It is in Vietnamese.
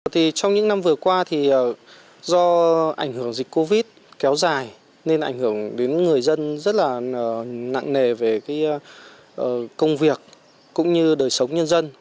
trong những năm vừa qua thì do ảnh hưởng dịch covid kéo dài nên ảnh hưởng đến người dân rất là nặng nề về công việc cũng như đời sống nhân dân